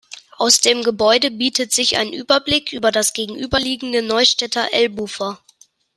Aus dem Gebäude bietet sich ein Überblick über das gegenüberliegende Neustädter Elbufer.